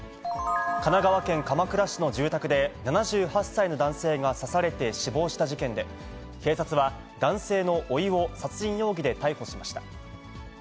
神奈川県鎌倉市の住宅で７８歳の男性が刺されて死亡した事件で、警察は、男性のおいを殺人容疑で逮捕しました。